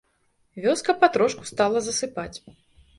Вёска патрошку стала засыпаць...